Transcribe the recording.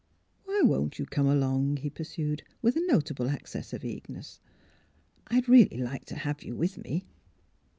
" Why won't you come along? " he pursued, with a notable access of eagerness. ''I'd really like to have you ^ith me."